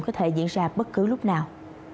có thể diễn ra bất cứ lúc nào